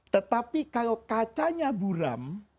tetapi kalau kacanya buram